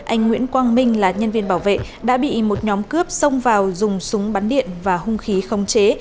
anh nguyễn quang minh là nhân viên bảo vệ đã bị một nhóm cướp xông vào dùng súng bắn điện và hung khí khống chế